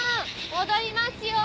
戻りますよ！